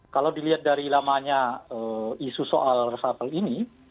kalau dilihat dari lamanya isu soal reshuffle ini